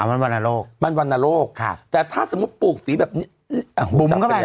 มันวันนโลกมันวันนโลกครับถ้าสมมุติปลูกฝีแบบนี้